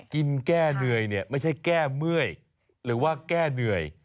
กินแก้เหนื่อยเนี่ยไม่ใช่แก้เมื่อยหรือว่าแก้เหนื่อย